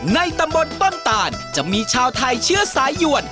ในตำบลต้นตานจะมีชาวไทยเชื้อสายหยวน